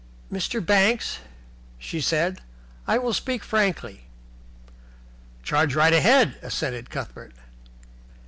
"Mr. Banks," she said, "I will speak frankly." "Charge right ahead," assented Cuthbert.